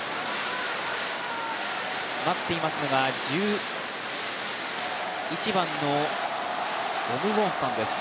待っていますのが１１番のオム・ウォンサンです。